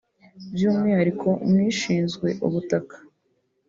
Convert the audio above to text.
by’umwihariko mu ishinzwe ubutaka